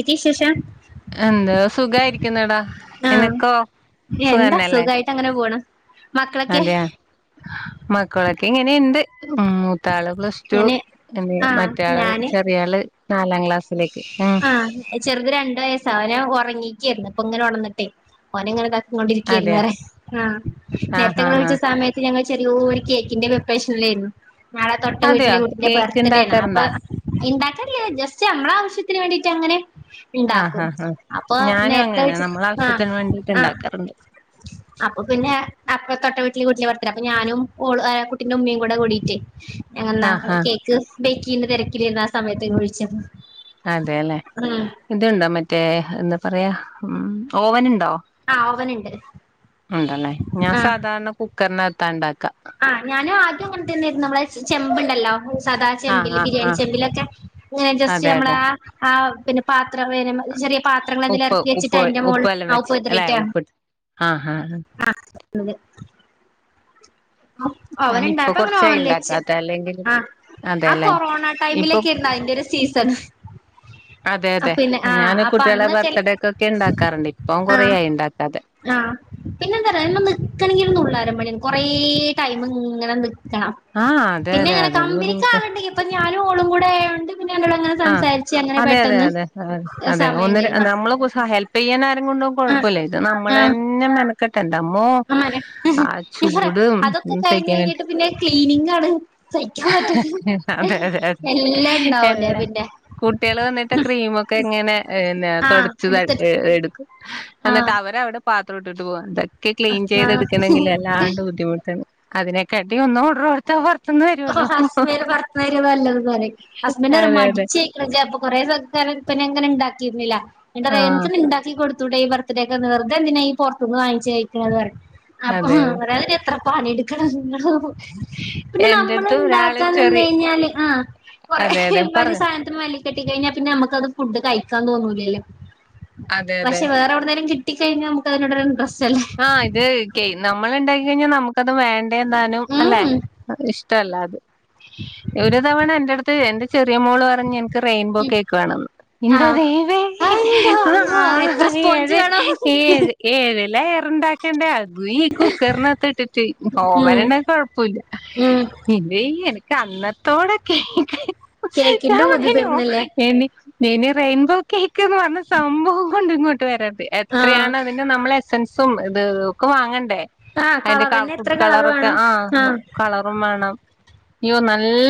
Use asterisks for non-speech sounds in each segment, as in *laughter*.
എന്തൊക്കെയാ വിശേഷം എന്താ സുഖായിരിക്കുന്നോടാ? ആഹ് എന്താ സുഖായിട്ട് അങ്ങനെ പോണ്. മക്കളൊക്കെ അതെയാ മക്കളൊക്കെ ഇങ്ങനെ ഇണ്ട്. ഉം മൂത്താള് പ്ലസ് ടു ഞാന് എന്തെ ആഹ് മറ്റയാള് ഞാന് ചെറിയള് നാലാം ക്ലാസ്. ആഹ് ചെറുത് രണ്ടു വയസ്സാ അവന് ഉറങ്ങിക്കായിരുന്നു, ഇപ്പൊ ഇങ്ങനെ ഉണർന്നിട്ട് ഓന് ഇങ്ങനെ. കൊണ്ടിരിക്കായിരുന്നു അതെയാ വരുന്നവരെ ആഹ് ആഹ് നേരത്തെ ഇങ്ങള് ആഹ് ആഹ് വിളിച്ച് സമയത്ത് ഞങ്ങളെ. ചെറിയോരു കേക്കിന്റെ പ്രിപ്പറേഷനിലായിരുന്നു നാളെ തൊട്ട അതെയോ വീട്ടിലെ കുട്ടിന്റെ കേക്ക് ബർത്ത്ഡേണ് അപ്പൊ ഇണ്ടാക്കാറുണ്ടാ ഇണ്ടാക്കാൻ അറിയാ ജസ്റ്റ് നമ്മളെ ആവശ്യ വേണ്ടീട്ട് അങ്ങനെ ആഹ് ഇണ്ടാക്കും ആഹ് ആഹ് അപ്പൊ ഞാനും നേരത്തെ അങ്ങനെ വചി നമ്മളെ ആ ആവശ്യത്തിന് വേണ്ടിട്ട് ആ ഇണ്ടാക്കാറുണ്ട് അപ്പൊ പിന്നെ അപ്പർ തൊട്ട വീട്ടില് കുട്ടീൻ്റെ ബർത്ഡേ അപ്പൊ ഞാനും ഓൾ കുട്ടിടെ ഉമ്മയും കൂടെ കൂടിട്ടെ ഞങ്ങ ന്നാ ആഹ് ആഹ് കേക്ക് ബേക്ക് ചെയുന്ന തിരക്കിലർന്നു ആ സമയത്ത് നിങ്ങ വിളിച്ചേ അതെല്ലേ ഇത്ണ്ടോ മറ്റേ എന്താ പറയാ ഉം ഓവൻ ഉണ്ടോ ആ ഓവന് ണ്ട് ഉണ്ടല്ലേ ഞാൻ സാധാരണ കുക്കറിനക ത്താണ്ടാക്ക ആ ഞാനും ആദ്യം അങ്ങനെ തന്നെരുന്നു അതായത് ചെമ്പ്ണ്ടല്ലോ സദാ ആഹ് ചെമ്പില് ആഹ് ബിരിയാണി ആഹ് ചെമ്പിലൊക്കെ ജസ്റ്റ് അതെ അതെ നമ്മള് ആ പിന്നെ പാത്രം ചെറിയ പാത്രങ്ങള് അതില് ഉപ്പ് ഇറക്കി വെച്ചിട്ട് ഉപ്പ് അതിന്റെ മോൾ ഉപ്പെല്ലാം വെച്ച് അല്ലെ എതിറിയിട്ടാ ഉപ്പിട്ട് ആഹ് അ *unintelligible* ഞാനിപ്പൊ ഓവന്ണ്ടായപ്പങ്ങനെ കൊറച്ചായി ഓവനിൽ വെച്ച് ഇണ്ടാക്കാത്തെ അല്ലെങ്കിൽ ആ ആഹ് അതെല്ലേ കൊറോണ ഇപ്പൊ ടൈമിലക്കെയിരുന്ന് അതിന്റെ ഒരു സീസൺ. അതെ അതെ പിന്നെ ആ ഞാൻ അപ്പൊ കുട്ടികളെ അന്ന് ചെല ബർത്ത്ഡേക്കൊക്കെ ഇണ്ടാക്കാറുണ്ട് ഇപ്പം കൊറയായി ഇണ്ടാക്കാതെ. ആഹ് പിന്നെന്താ അയമേ എനിക്കാണെങ്കിൽ ഒന്നും ഉള്ളാര മ കൊറേ ടൈമ് ഇങ്ങനെ നിക്കണം ആഹ് അതെ അതെ പിന്നെങ്ങനെ അതൊരു കമ്പനി ബുദ്ധിമുട്ട് ആൾടെങ്കിൽ പ്പോഞ്ഞ ഞാനും ഓളും കൂടെആയോണ്ട് ആഹ് അതെ അതെ അതെ അ അതെ സമയം ഒന്ന് കഴിഞ്ഞ് നമ്മൾ ഹെൽപ്പ് ചെയ്യാന *unintelligible* ആ കുഴപ്പമില്ല ഇത് ആ നമ്മെളെന്നെ മേനെക്കേടെ ഇറ്റമ്മോ അമ്മാനെ ആ ഞാൻ പറയാ ചൂട് അതൊക്കെ ഉ കഴിഞ്ഞ് സഹിക്കാൻ വേണ്ടി കഴിഞ്ഞിട്ട് പിന്നെ ക്ലീനിങ്ങാണ് സഹിക്കാൻ പറ്റാത്തത് അതെ അതെ എല്ലാം ഇണ്ടാവൂലേ അതെല്ല പിന്നെ കുട്ടികൾ വന്നിട്ട് ക്രീമൊക്കെ ഇങ്ങനെന്ന ആ തുടച്ച് എടുത്തിട്ട് ഏ എടുക്കും. ആ എന്നിട്ട് അവരെ അവിടെ പാത്രം ഇട്ടിട്ട് പോവാ ക്ലീൻ ചെയ്തെടുക്കണമെങ്കിൽ ആ അല്ലാണ്ട് ബുദ്ധിമുട്ടാണ് അതിനൊക്കെ അതിനെകാട്ടി ഒന്ന് ഒടറ് കെട്ത്താ പെറ് ഓ ഹസ്ബൻ ഭർത്തനാര്യ നല്ലതന്ന് പറ ഹസ്ബൻന്റെ പറയും അതെ അതെ മടിച്ചി അപ്പൊ കൊറെേ സൽക്കാരിന്ന് പിന്നെ ബങ്ങനെ ഉണ്ടാക്കിരുന്നില്ല ആ *unintelligible* ഉണ്ടാക്കി കൊടു കൂടെ ഈ ബർത്ത്ഡേക്ക് വെറുതെ എന്തിനാ ഈ പുറത്തുന്ന് വങ്ങു കഴിക്കണുന്നത് അപ്പ അതെ അതെ അങ്ങനെ എത്ര പണിടുക്കണം ഇങ്ങള് ഇഞ്ഞ് എന്റെ നമ്മള് അടുത്ത് ഒരാള് ഉണ്ടാക്കാൻ നിന് ചെറിയ കഴിഞ്ഞാൽ ആ കൊറ അതെ അതെ മറ്റേ പറഞ്ഞോ സാദനത്തിന്മേ *unintelligible* കഴിക്കാൻ തോന്നൂല്ലലോ അതെ അതെ പക്ഷേ വേറെഎവിടുന്നെങ്കിലും കിട്ടി കിട്ടി കഴിഞ്ഞ നമുക്ക് അതിനോടുള്ള ഇന്ട്രേസ്റ് ആഹ് ഇത് കേ നമ്മൾ ഉണ്ടാകി കഴിഞ്ഞാൽ നമുക്കത് വേണ്ടേയ്ന്താനും അല്ലെ? ഉം ഇഷ്ട്ടല്ല അത് ഒരു തവണ എന്റെ അടുത്ത് എന്റെ ചെറിയ മോൾ പറഞ്ഞ് എ റെയിൻബോ ഉം കേക്ക് വേണംന്ന് എന്താ ആഹ് ദൈവേ അയിന്റെ അള്ളാ എത്ര സ്പോഞ്ച് വേണം ഏഴ് ഏഴ് ലേ ണ്ടാക്കണ്ടേ അതും ഈ കുക്കറിനത്ത് ഇട്ടിട്ട് ഉം ഓവനന്നെ കൊഴപ്പില്ല ഉം പിന്നെ ഇ എനിക്ക് അന്നത്തോടൊക്കെ ഞാൻോ കേക്കിന്റെ പൂതി പറ തീർന്നില്ലേ ഇനി റെയിൻബോ കേക്ക് എന്ന് പറഞ്ഞ സംഭവം കൊണ്ട് ഇങ്ങോട്ട് വരരുത് ആഹ് എത്രയാണ് അതിന്റെ നമ്മ എസെൻസ് *unintelligible* ഇത് ഒക്കെ വാങ്ങണ്ടേ? ആഹ് അതിന്റെ കളറന്നെ എത്ര ഫുഡ് കളറ് കളറൊക്കെ വേണം ആഹ ആഹ് കളറും വേണം. അയ്യോ നല്ല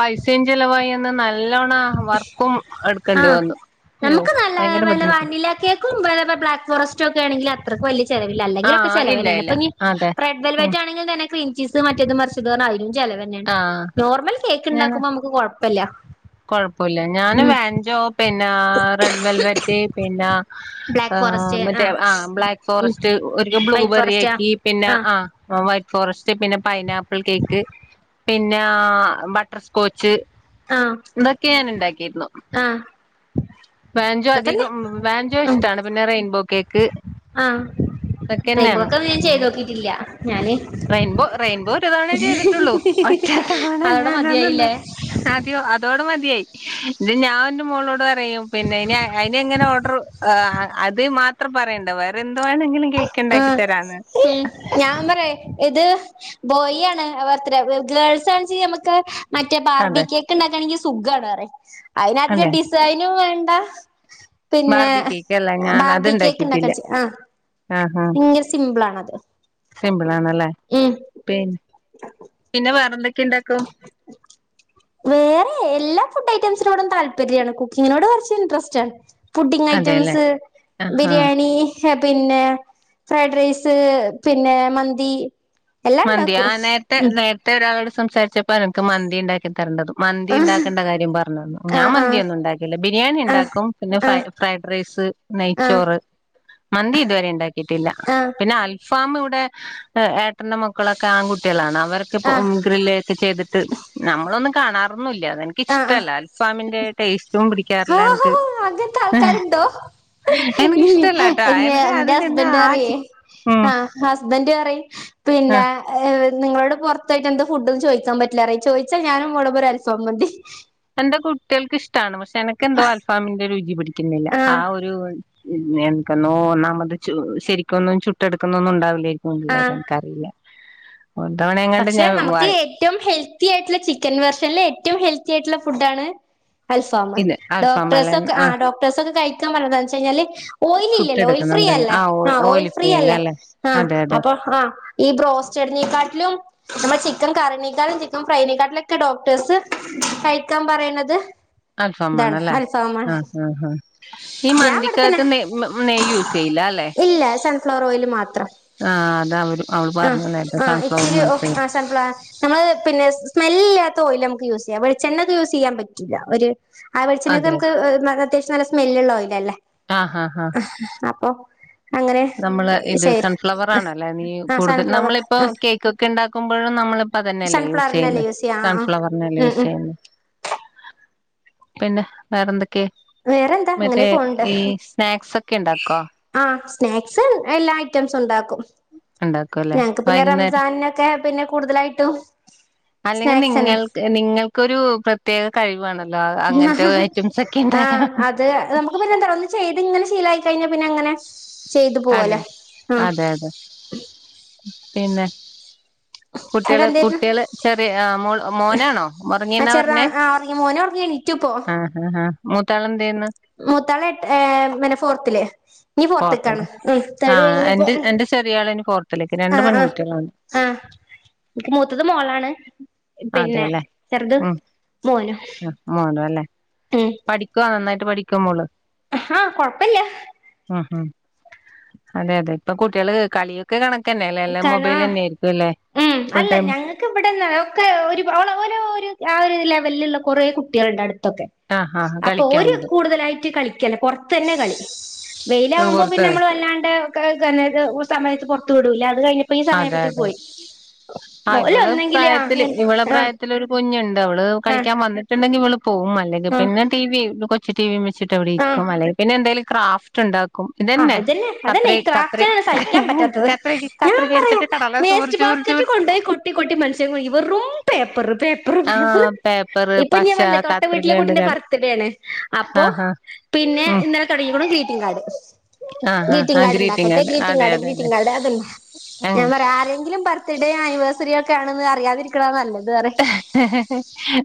പൈസയും ചലവായി ഒന്ന് നല്ല നല്ലോണം വർക്കും എടുക്കേണ്ടി ആഹ് വന്നു. അയ്യോ നമുക്ക് നല്ല ഭയങ്കര ന ബുദ്ധിമുട്ട് വാനിലക്കക്കും ബ്ലാക്ക് ഫോറസ്റ്റോ ഒക്കെ ആണെങ്കിൽ അത് അത്ര വലിയ ചിലവില്ല ആ അല്ലെങ്കിൽ ഒക്കെ ഇല്ല ചെവെനേയാണ് ഇല്ല ഇപ്പ ഇ അതെ റെട് ഉം വെലാവെട്ട് ആണെങ്കിൽ തന്നെ ക്രീം ചീസ് മറ്റേത് മറിച്ചത് പറഞ്ഞു അതിനും ചിലവ് തന്നെയാണ് ആ നോർമൽ കേക്ക് ഉണ്ടാക്കുമ്പോ നമുക്ക് കുഴപ്പമില്ല. കുഴപ്പോല്ല ഞാൻ വാഞ്ചോ പിന്നെ റെഡ് വെൽവറ്റ് പിന്നെ ബ്ലാക്ക് ആ് ഫോറസ്റ്റ് മറ്റേ ആഹ് ആ ബ്ലാക്ക് ഉം ഫോറസ്റ്റ് ഒരു വൈറ്റ് ബ്ലൂബെറി ഫോറസ്റ്റ് ആഹ് ആക്കി പിന്നെ ആഹ് ആ വറ്റ് ഫോറസ്റ്റ് പിന്നെ പൈനാപ്പിൾ കേക്ക് പിന്നെ ബട്ടർസ്കോച്ച് ആ ഇതൊക്കെ ഞാൻ ഉണ്ടാക്കിയിരുന്നു. വാഞ്ചോ അതൊക്കെ തന്നെ അധികം വാഞ്ചോ ഉം ഇഷ്ടാണ് പിന്നെ റെയിൻബോ കേക്ക്. ആഹ് റെയിൻബോ അതൊക്കെന്നെയാണ്. ഒക്കെ ഒന്നും ഞാൻ ചെയ്ത് നോക്കിട്ടില്ല ഞാന് റെയിൻബോ റെയിൻബോ ഒ തവണ ചെയ്തിട്ടുള്ളൂ ഒറ്റത്തവണ അതോടെ മതിയായില്ലേ ഞോ അതോ മതിയായി ഇ ഞാൻ ന്റെ മോളോട് പറയും പിന്നെ അ എങ്ങനെ ഓഡർ ആ അത് മാത്രം പറയണ്ട വേറെ ന്ത്‌ അത് വേണെങ്കിലും കേക്കണ്ടാക്കി ആഹ് തരാന്ന്. ഞാൻ പറയാ ഇത് ബോയ് ആണ് അവത്ര ഗേൾസ് ആനെച്ചെങ്കിൽ നമക്ക് മറ്റേ അതെ ബാർബികേക്ക് ഉണ്ടാക്കണെങ്കിൽ സുഗണ് അറേ അതെ അതിനധികം ഡിസൈനും വേണ്ട ന്താ പിന്നെ ബാർബി കേക്ക് അല്ല ഞാൻ ബാർബിക്ക് അത്ണ്ടാക്കിട്ടില്ല ഉണ്ടക്കണ്ണി വെച്ച് ആ ആഹാ ഭയങ്കര സിമ്പിൾ ആണത് സിമ്പിൾ ആണല്ലേ ഉം പിന്നെ പിന്നെ വേറെന്തൊക്കെ ഉണ്ടാക്കും വേറെ എല്ലാം ഫുഡ് ഐറ്റംസിനോടും താല്പര്യണ് കുക്കിങ്ങിനോട് കുറച്ച് ഇൻട്രസ്റ്റ്ണ് ഫുഡിംഗ് അതെല്ലേ ഐറ്റംസ് ആഹാ ബിരിയാണി പിന്നെ ഫ്രൈഡ് റൈസ് പിന്നെ മന്തി എല്ലാം മന്തി ആ ഉണ്ടാക്കും നേരത്തെ ഉം നേരത്തെ ഒരാളോട് സംസാരിച്ചപ്പോ നനിക്ക് മന്തി ഉണ്ടാക്കി തരേണ്ടതും മന്തി ആഹ് ഉണ്ടാക്കേണ്ട കാര്യം പറഞ്ഞന്നു ഞാൻ ആഹ് മന്തിയൊന്നും ഉണ്ടാക്കില്ല ബിരിയാണി ആഹ് ഉണ്ടാക്കും പിന്നെ ഫ ആഹ് ഫ്രൈഡ് റൈസ് ആഹ് ആഹ് നെയ്ച്ചോറ് മന്തി ഇതുവരെ ഉണ്ടാക്കിയിട്ടില്ല ആഹ് പിന്നെ അൽഫാം ഇവിടെ ഏട്ടന്റെ മക്കളൊക്കെ ആൺകുട്ടികളാണ് അവർക്ക് ആഹ് ഗ്രില്ല ഒക്കെ ചെയ്തിട്ട് നമ്മളൊന്ന കാണാറ ഒ അ എനിക്ക ഇഷ്ടല്ല അൽഫാമിന്റെ ടേസ്റ്റും ആ പിടിക്കാറില്ല എനിക്ക് അങ്ങത്തെ ആൾക്കാരുണ്ടോ എനിക്കിഷ്ടല്ല കേട്ടോ എനിക്ക് എന്റെ അതിനെന്താ ഹസ്ബൻഡ് ആ പറയേ ചി ഉം ആ അസ്ബന്റ പറയും ആ പിന്നെ നിങ്ങളോട് പുറത്തായിട്ട് എന്ത ഫുഡ്ന്ന് ചദാ പറ്റില്ലാറേ ചോദിച്ചാ ഞാനുംമ്മടെ പോെ അൽഫവ മതി എന്റെ കുട്ടികൾക്ക് ഇഷ്ടമാണ് പക്ഷെ എനക്ക് എന്തോ അൽഫാമിന്റെ രുചി പിട് ക്കുന്നില്ല ആ ആഹ് ഒരു ഒന്നാമത് ശെരിക്കൊന്നും ചുറ്റെടുക്കുന്നൊന്നും ഇല്ലാ ഉണ്ടാവില്ലരിക്കള്ളര ആഹ് എനക്ക്റിയില്ല പക്ഷെ നമുക്ക് ഏറ്റവും ഹെൽത്തി ആയിട്ടുള്ള ചിക്കൻ വെർഷനൽ ഏറ്റവും ഹെൽത്തി ആയിട്ടുള്ള ഫുഡണ് അൽഫാം ഇത് അൽഫാമല്ല ഡോക്ടേഴ്സ് ഒക്കെ ആ ഡോക്ടേഴ്സ് ഒക്കെ കഴിക്കാൻ പറഞ്ഞതാന്ന് വെച്ച കഴിഞ്ഞാൽ ഓയിൽ ഇല്ലല്ലേ ഓയിൽ ഫ്രീ ചുട്ടെടുക്കുന്നുണ്ടല്ലോ അല്ലേ ഓ ആ ഓയിൽ ഫ്രീ അല്ല ഫ്രീയല്ലേ അല്ലേ ആ അതെ അതെ അപ്പ ആ ഈ ബ്രോസ് കറിനെക്കാട്ടിലും നമ്മൾ ചിക്കൻ കറിനേക്കാട്ടിലും ചിക്കൻ ഫ്രൈനെക്കാട്ടിലുമൊക്കെ ഡോക്ടേഴ്സ് കഴിക്കാൻ പറയണുന്നത് ഇതാണ് അൽഫാമാണല്ലേ ആഹ് ആഹ് ആഹ് ഈ ഞാൻ അവിടെത്തന്നെ... മന്തിക്കകത്ത് നെ നെയ്യ് യൂസ് ചെയ്യില്ല അല്ലേ ഇല്ല സൺഫ്ലവർ ഓയില് മാത്രം ആഹ് അത് അവര് അവള് ആഹ്.. പറഞ്ഞു നേരത്തെ ആഹ്.. സൺഫ്ലവർ ഇച്ചിരി മാത്രേ നമ്മള് പിന്നെ സ്മെല് ഇല്ലാത്ത ഓയിൽ നമുക്ക് യൂസ് ചെയ്യാം.. വെളിച്ചെണ്ണക്ക യൂസ് ചെയ്യാൻ പറ്റൂല്ല ഒരു ആ അതെ വെളിച്ചെണ്ണോക്കെ നമക്ക് അത്യാവ്യം നല്ല സ്മെല്ലുള്ള ഓയിൽ അല്ലേ ആഹ് ആഹ് ആഹ് ഓഹ് നമ്മള് ഇത് സൺഫ്ലവർ ആണല്ലേ നീ ആഹ് കൂടുതൽ സൺഫ്ലവർ നമ്മളിപ്പോ ആഹ് കേക്കൊക്കെ ഉണ്ടാക്കുമ്പോഴും നമ്മളിപ്പ അതന്നെല്ലേ യൂസ് സൺഫ്ലവറിനല്ലേ ചെയ്യുന്ന് യൂസ് ചെയ്യാ ആഹ് ആഹ് സൺഫ്ലവറന്നല്ലേ ഉം യൂസ് ഉം ചെയ്യുന്ന് പിന്നെ വേറെന്തൊക്ക വേറെന്താ മറ്റേ അങ്ങനെ പോണ്ട് ഈ സ്നാക്സ് ഒക്കെ ഉണ്ടാക്കോ ആഹ് സ്നാക്സ് എല്ലാ ഐറ്റംസ് ഉണ്ടാക്കും ഉണ്ടാക്കും അല്ലേ ഞങ്ങക്ക് പിന്നെ വൈകുന്നേരം റംസാനൊക്കെ പിന്നെ കൂടുതലായിട്ടും അല്ലെങ്കിൽ സ്നാക്സന്നെ നിങ്ങൾക്ക് നിങ്ങൾക്കൊരു പ്രത്യേക കഴിവാണ് ആ അത് നമുക്ക് പിന്നെ എന്താ ഒന്ന് ചെയ്തിങ്ങനെ ശീല കഴിഞ്ഞ പിന്നെ അങ്ങനെ ചെയ്തു പോവല്ലോ അതെ ആ അതെ അതെ പിന്നെ ന്നട്ട് കുട്ടികള് എന്തേര്ന്നു കുട്ടികള് ചെറിയ മോനാണോ.. ആ ഉറങ്ങീന്നാ ചെറുതാ പറഞ്ഞെ ആ ഒറങ്ങി മോന് ഒറങ്ങി എണീറ്റുപ്പോ ആഹ ആഹ് ആഹ മ മൂത്താള എട്ട്.. മ്.. ഫോർത്തില് ഇനി ഫോർത്ത്ക്കാണ് ഫോർത്തല്ലേ.. ഉം ആ തേർഡ് കഴിഞ്ഞിപ്പോ എന്റെ എന്റെ ചെറിയാളിനി ഫോർതിലേക്ക്.. രണ്ട് പെൺകുട്ടികളാണ്.. *inaudible* എനിക്ക് മൂത്തത് മോളാണ് പിന്നെ ചെറുത് മോനും ആ മോനാല്ലേ. പഠിക്വ... നന്നായിട്ട് പഠിക്കുവ മോള് ആഹ് കൊഴപ്പില്ല ഉം അതെ അതെ ഇപ്പൊ കുട്ടികള് കളിയൊക്കെ കണക്കന്നെ അല്ലേ.. എല്ലാം മൊബൈൽ തന്നെയായിരിക്കുംല്ല ഉ അല്ല ഞങ്ങൾക്ക് ഇവിടന്ന ഒക്കെ ഓരോ ആ വല്ള്ള, കൊറേ, കുട്ടികളണ്ട്, അടു ക്കെ, ആഹ് ആഹ് അപ്പൊ, കളിക്കാൻ ഒരു, വിടും കൂടുതലായിട്ട്, കളിക്കല.. പുറത്തന്നെ, കളി, ഏ, വെയിലകുമ്പോ, പിന്നെ, പുറത്ത് നമ്മൾ, വല്ലാണ്ട്, സമയത്ത്, പുറത്തു, വിടൂല അത്, കഴിഞ്ഞപ്പോ ഈ സമയതിപ്പോ പോയി. ആ്, ഓല് ഇവള് ഒന്നെങ്കില് ആ പ്രായത്തില്, ഇവളെ, ആ പ്രായത്തിലൊരു, കുഞ്ഞുണ്ട്, അവള്, ആ കളിക്കാൻ, വന്നിട്ടുണ്ടെങ്കി, ഇവള് പോവും.. അല്ലെങ്കി ആ പിന്നെ ടി വി, കൊച്ചു ടി വി വെച്ചിട്ടവിടെ ആ ഇരിക്കും.. അല്ലെങ്കി പിന്നെന്തേലും ക്രാഫ്റ്റ് ഉണ്ട ആ ഇതന്നെ അതന്നെ അതന്നെ കത്ര ഈ ക ക്രാഫ്റ്റിനാണ് സഹിക്കാൻ പറ്റാത്തത് കത്ര ഞാൻ പറയും വേസ്റ്റ് ബാസ്കറ്റ് കൊണ്ടോയി കൊട്ടി കൊട്ടി മനുഷ്യന് വെറും പേപ്പർ പർ പർ ആഹ് പേപ്പറ് ഇപ്പൊ പശ ഞാൻ പറഞ്ഞില്ലേ.. തൊട്ട് വീട്ടിലെ കത്രികണ്ട് കുട്ടിന്റ കട ബർത്ത്ഡേ ആണ്. അപ്പോ ആഹ് ആഹ് പിന്നെ ഉം ഇന്നലെ തൊടങ്ങിക്കുണ്. ഗ്രീറ്റിംഗ് കാർഡ്.. ആഹ് ആഹ് ഗ്രീറ്റിംഗ് ആഹ് കർഡണ്ടാക്കട്ടെ.. കാർഡ് ഗ്രീറ്റിംഗ് അതെ കർഡ്, അതെ അതെ ഗ്രീറ്റിംഗ് കർഡ്, അതന്നെ.. ഉം ഞാൻ പറയാ ആരെങ്കിലും, ബർത്ത്ഡേ ആനിവേഴ്സറി ഒക്കെ ആണെന്ന് അറിയാതിരിക്കണതാ നല്ലത് പറയും ഇഹ്ഹ്, ഹഹ്,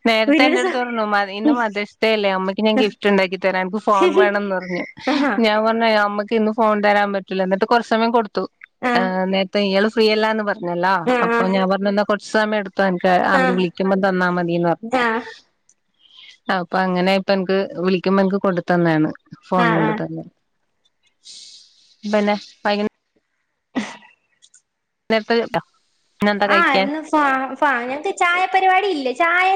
നേരത്തെ ഇവരൊരു സ എന്റെോട്ത് പറഞ്ഞു.. ഇന്ന് മതേർസ്ഡേ അല്ലേ. ഉമ്മയ്ക്ക് ഞാൻ ഗിഫ്റ്റ് ഉണ്ടാക്കി തര.., നിക്ക് ഫോൺ വേണംന്ന് പറഞ്ഞു.. ആഹാ ഞാൻ പറഞ്ഞു ഇമ്മക്ക് ഇന്ന് ഫോൺ തരാൻ പറ്റില്ലന്ന്.. എന്നിട്ട് കുറച് സമയം കൊടുത്ത് ത്തു.. ആ എ, നേരത്തെ, ഇയാള് ഫ്രീ അല്ലാന്ന് പറഞ്ഞല്ല.. ആ അപ്പൊ, ഞാൻപറഞ്ഞു ന്ന കൊറച്ച് സമയം എട് ആ അവര് വിളിക്കുമ്പം തന്നാ മതിന്ന് പറഞ്ഞു ആ ആ, അപ്പൊ, അങ്ങനെ, ഇപ്പ എനിക്ക്, വിളിക്കുമ്പ എനിക്ക്, കൊണ്ടുതന്നണ് ആ ഫോണ് ആ കൊണ്ട് തന്നെ പിന്നെ നേത ആഹന്ന് ഫാ, ഫാ, ഞങ്ങക്ക് ചായ പരിപാടി ഇല്ല.. ചായ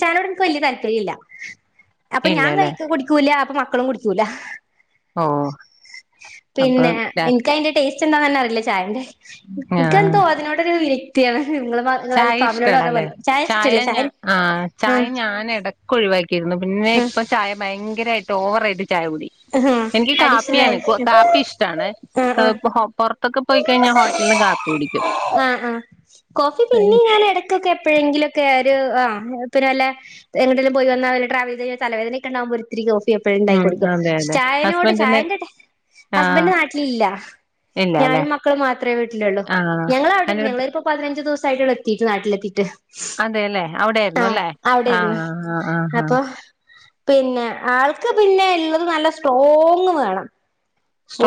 ചായനോട് നിക്ക് വലിയ താല്പര്യംല്ല അപ്പൊ ഞാൻ ഇല്ലല്ലേ കഴി കുടിക്കൂല, അപ്പൊ മക്ക മക്കളും, കുടിക്കൂല ഓ, അപ്പൊ പിന്നെ, രാത്രി എനിക്ക്, അയിന്റെ, ടേസ്റ്റ്, എന്താന്ന്ന്ന, അറിയില്ല, ചായന്റെ, ആഹ് എനക്കെന്തോ, അതിനോടൊരു നിങ്ങള് നിങ്ങള് ചായ, അൽഫാമിനോട് പറഞ്ഞ ഇഷ്ടല്ലല്ലേ? പോലെ ചായ, ഇഷ്ടല്ല ഞ, ആ, ആ ചായ, ഞാനെടക്ക്, ഒഴിവാക്കിയിരുന്നു. പിന്നെ, ആ ഇപ്പ, ചായ, ഭയങ്കരയിട്ട് ട്ടോവറായിട്ട്, ചായകുടി, എനിക്ക്, അഡീഷണൽ കാപ്പിയാണ്, ആയിട്ട് കാപ്പി, ഇഷ്ടണ്. ആഹ് ആഹ് പ്പൊ കൊ ആഹ് ആ, കോഫി, അല്ല, പിന്നെ, ഞാൻ, എടക്കൊക്കെ, എപ്പോഴേ ങ്കിലൊക്കെ, ഒരു, ആ പിന്നെല്ല, എങ്കും, പോയി വന്ന, ട്രാവൽ, ചെയ്ത്, കഴഞ്ഞ തലേദനൊക്കെണ്ടാവക്പോത്തിരിക്കോ എപ്പോഴണ്ടായി, ഉം കൊടിക്കും. അതെ പക്ഷെ, അതെ ചായനോട്, ഹസ്ബൻഡ്ന് ചായന്റെ, ഹസ്ബൻ്, ആഹ് നാട്ടിലില്ല. ഇല്ല അല്ലെ ഞാനും, മക്കളും, മാ ത്രേ, വീട്ടിലോള്ളു. ആഹ് ഞങ്ങളവിടെ, എന്റെടുത്ത് ഞങ്ങളപ്പപ്പോ, പതിനഞ്ച്, ദിവസായിട്ടൊള്ളു എത്തിട്ട്, നാട്ടിലെത്തിട്ട്. അതെല്ലെ, അവിടെയിരുന്നുല്ലെ, അവിടെരുന്നു ആഹ് ആ, ആഹ്, ആഹ്, ആഹ് അപ്പൊ പിന്നെ, ആൾക്ക്, പിന്നെ, ള്ളത് നല്ല, സ്ട്രോങ്ങ്, വേണം.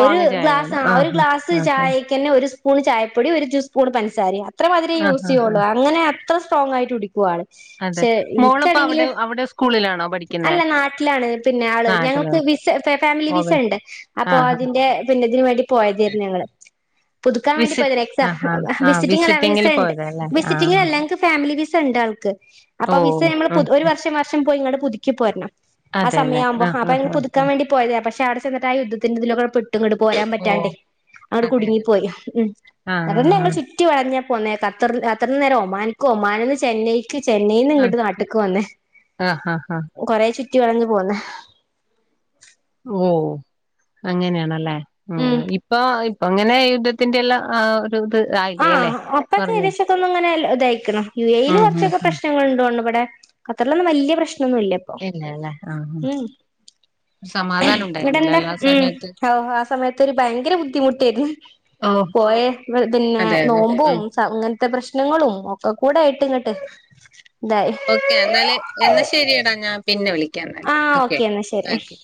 ഒരു, ചായ ഗ്ലാസ്, വേണം ആ, ഒരു, ആഹ് ഗ്ലാസ്, ആഹ് ചായക്ക്ന്നെ, ഒരു സ്പൂൺ, ചായപ്പൊടി, ഒരു ജ്യൂസ്പൂൺ, പഞ്ചസാരേം അത്രേം മധുരെ ആഹ് യൂസ് ആഹ് ആഹ് ചെയ്യുള്ളു. അങ്ങനെ, അത്ര സ്ട്രോങായിട്ട്, കുടിക്കും ആള്. അതെ പക്ഷെ, മോളപ്പോ അവിടെ എനിക്കണങ്കില് അവിടെ സ്കൂളിലാണോ പഠിക്കുന്നേ അല്ല, നാട്ടിലാണ്, പിന്ന, ആള്. ഞങ്ങൾക്ക്, നാട്ടിലാണ് വിസ, ഫാമിലി, ഓവെ വിസണ്ട്. അപ്പൊ അ ആഹ് അതിന്റെ, പിന്നെ, തിന്, വേണ്ടി, പോയതായിരുന്നു, ഞങ്ങള്. പുതുക്കാൻ, വേണ്ടി, വിസി പോയത എക്സ ആഹ് ആഹ് ആഹ് വിസിറ്റിങ്ങല്ല വിസിറ്റിങ്ങില് വിസണ്ട്, പോയതല്ലേ വിസിറ്റിങ്ങല്ല, ആഹ് ല്ലങ്ങക്ക്, ഫാമിലി വിസണ്ടാൾക്ക്. അപ്പൊ, ഓ വിസ ഞമ്മള് ഉം ഒരു, വർഷം വർഷം, പോയി, ഇങ്ങട്, പുതുക്കിപ്പോരണം. ആ, അതെല്ലേ സമയവുമ്പോ, അപ്പ ആഹ് ആഹ് അങ്ങ, ആഹ് പുതുക്കാൻ ആഹ് വേണ്ടി പോയത പക്ഷെ, അടെ ചെന്നിട്ട് ആ യുദ്ത്തിന്റെതിലൊക്കെ പെ ഒട്ടും, ഇങ്ങട് പോരാൻ, ഓ പറ്റാണ്ടേ. അങ്ങട്ട് അതെല്ലേ കുടുങ്ങിപ്പോയി, ഉം അതന്നെ, ആഹ് ഞങ്ങള്, ചുറ്റി വളഞ്ഞ പോന്നേത്ത, ഖത്ത, ഖർത്തന്ന് നേരെ, ഒമാന്ക്കും, ഒമാനന്ന്, ചെന്നൈ എനിക്ക്, ചെന്നൈയിന്ന്, ആഹ് ങ്ങട്ട്, നാട്ടക്ക്, വന്നേ ആഹ് ആഹ് ആഹ് ആഹ് കൊറെ, ചുറ്റി, വളഞ്ഞു, പോന്ന ഓ, അങ്ങനെയണല്ലേ, ആ, ഉം ഇപ്പൊ അങ്ങനെ, യുദ്ധത്തിന്റെ, എല്ലാ ആ ഇത് ആയില്ലേ അല്ലേ ആഹ്, അപ്പൊ, കൊറഞ്ഞു ഏദേശത്തന്നും, എങ്ങനെയെ ഇതയക്കണം, യു എയിൽ ഉം ഉം കുറച്ചൊക്കെ, ഉം പ്രശ്നങ്ങൾ, ണ്ടൊ ഉണ്ടവിടെ. ഖത്തറിലൊന്നും, വല്യ പ്രശ് *unintelligible* ഇല്ലപ്പൊ ഇല്ലല്ലേ ആഹ് ഉ സമാധാനം ഉണ്ടായിരുന്നില്ല ഇടെണ്ടാ അല്ല ആ സമയത്ത് *inaudible* ആ സമയത്തൊരു ഭയങ്കര ബുദ്ധിമുട്ടായിര് ന്ന്. ഓ പോയെ *unintelligible* ന്നെ അതെ അതെ ആ നോമ്പും സ ഇങ്ങനത്തെ പ്രശ്നങ്ങളും ഒക്കെ കൂടെ ആയിട്ട് ഇങ്ങട്ട്. ഇതായി ഓക്കേ ന്നാല് എന്നാ ശരിയെടാ ഞാൻ പിന്നെ വിളിക്കാം. എന്നാല് ആഹ് ഓക്കേ ഓക്കെ എന്നാ ശരി ഓക്കേ.